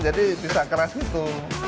jadi bisa keras gitu